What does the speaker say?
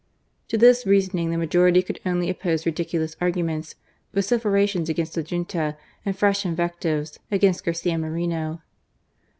To this reasoning the majority could only oppose ridiculous arguments, vociferations against the Junta and fresh invectives against Garcia Moreno.